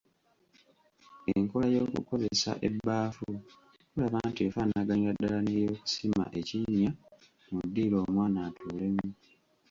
Enkola ey’okukozesa ebbaafu tulaba nti efaanaganira ddala n’ey'okusima ekinnya mu ddiiro omwana atuulemu.